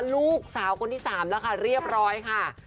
ลูกสาวคนที่๓แล้วค่ะเรียบร้อยค่ะ